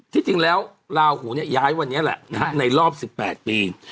ที่จริงแล้วลาโหอย้ายวันนี้แหละในรอบ๑๘ปี